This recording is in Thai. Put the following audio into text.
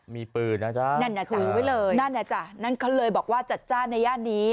มีปืนนะจ๊ะนั่นน่ะถือไว้เลยนั่นน่ะจ้ะนั่นเขาเลยบอกว่าจัดจ้านในย่านนี้